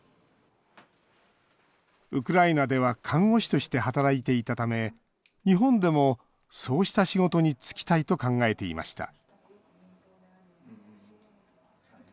ウクライナでは看護師として働いていたため日本でも、そうした仕事につきたいと考えていました